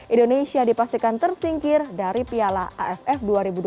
indonesia dipastikan tersingkir dari piala aff dua ribu dua puluh